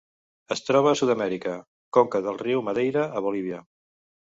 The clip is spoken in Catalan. Es troba a Sud-amèrica: conca del riu Madeira a Bolívia.